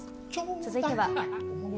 続いては。